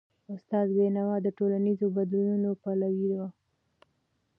استاد بینوا د ټولنیزو بدلونونو پلوی و.